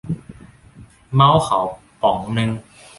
เมาส์เขาป๋องนึง